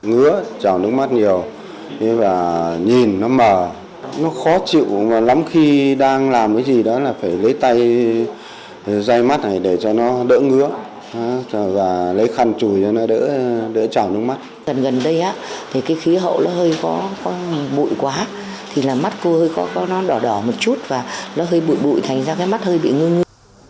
gần gần đây thì cái khí hậu nó hơi có bụi quá thì là mắt cô hơi có nó đỏ đỏ một chút và nó hơi bụi bụi thành ra cái mắt hơi bị ngư ngư